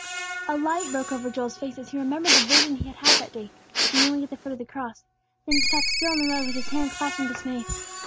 A light broke over Joel's face as he remembered the vision he had had that day, kneeling at the foot of the cross; then he stopped still in the road, with his hands clasped in dismay.